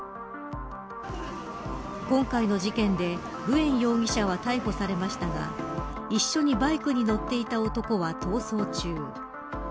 今回の事件でグエン容疑者は逮捕されましたが一緒にバイクに乗っていた男は逃走中。